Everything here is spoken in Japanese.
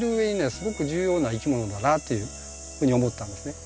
すごく重要ないきものだなっていうふうに思ったんですね。